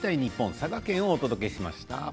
佐賀県をお届けしました。